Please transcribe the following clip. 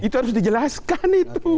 itu harus dijelaskan itu